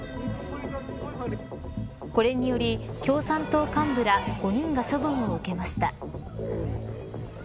これにより共産党幹部ら５人が処分を受けました。